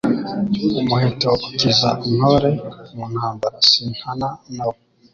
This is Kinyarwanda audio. Umuheto ukiza intore mu ntambara, sintana na wo.